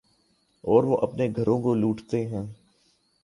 اوروہ اپنے گھروں کو لوٹتے ہیں۔